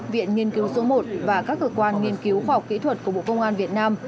viện nghiên cứu số một và các cơ quan nghiên cứu khoa học kỹ thuật của bộ công an việt nam